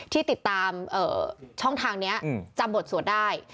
ที่ติดตามช่องทางนี้จำบทสวดได้